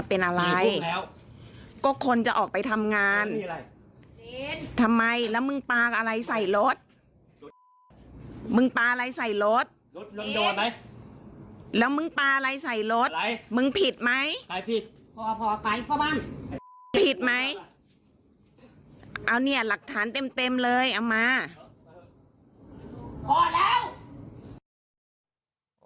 เอาเนี้ยหลักฐานเต็มเลยเอามาพอแล้ว